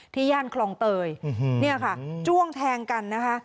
ย่านคลองเตยเนี่ยค่ะจ้วงแทงกันนะคะ